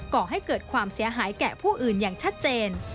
ก่อให้เกิดความเสียหายแก่ผู้อื่นอย่างชัดเจน